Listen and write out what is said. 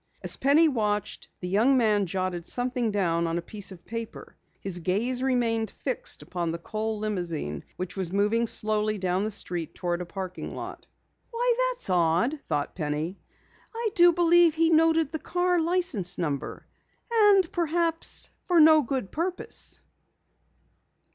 As Penny watched, the young man jotted something down on a piece of paper. His gaze remained fixed upon the Kohl limousine which was moving slowly down the street toward a parking lot. "Why, that's odd!" thought Penny. "I do believe he noted down the car license number! And perhaps for no good purpose."